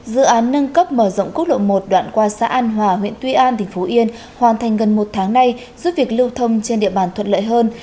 dự án nâng cấp mở rộng quốc lộ một đoạn qua xã an hòa huyện tuy an tỉnh phú yên hoàn thành gần một tháng nay giúp việc lưu thông trên địa bàn thuận lợi hơn